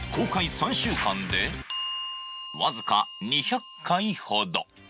３週間で僅か２００回ほど。